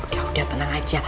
ya udah tenang aja